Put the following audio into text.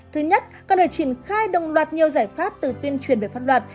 thứ nhất cần phải triển khai đồng loạt nhiều giải pháp từ tuyên truyền về pháp luật